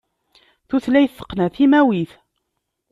Tutlayt teqqen ar timawit.